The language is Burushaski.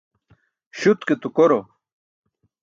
Śut ke tukoro.